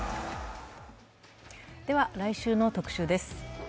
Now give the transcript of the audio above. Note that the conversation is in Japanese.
来週の特集です。